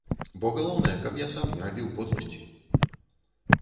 Бо галоўнае, каб я сам не рабіў подласці.